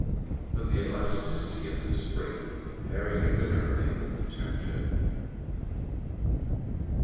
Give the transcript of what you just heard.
But the elasticity of the spring varies linearly with temperature.